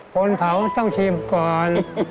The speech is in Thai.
คนเผาต้องชิมก่อน